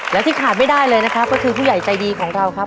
และที่ขาดไม่ได้เลยนะครับก็คือผู้ใหญ่ใจดีของเราครับ